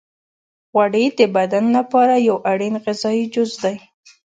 غوړې د بدن لپاره یو اړین غذایي جز دی.